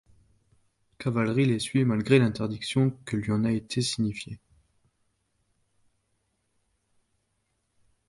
Cavalry, les suit malgré l'interdiction qui lui en a été signifiée.